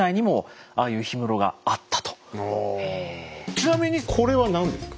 ちなみにこれは何ですか？